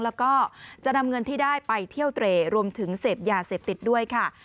แล้วก็จะนำเงินที่ได้ไปเที่ยวเตรรวมถึงเสพยาเสพติดด้วยค่ะ